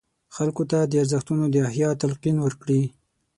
خلکو ته د ارزښتونو د احیا تلقین ورکړي.